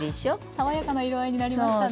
爽やかな色合いになりましたね。